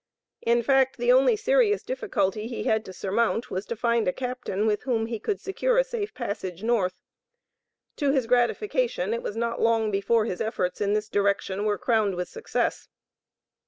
In fact, the only serious difficulty he had to surmount was to find a captain with whom he could secure a safe passage North. To his gratification it was not long before his efforts in this direction were crowned with success.